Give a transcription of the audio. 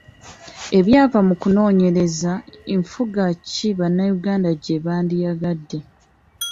Ebyava mu kunoonyereza nfuga ki bannayuganda gye bandyagadde.